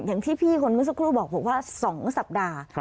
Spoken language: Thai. อย่างที่พี่คนเมื่อสักครู่บอกว่า๒สัปดาห์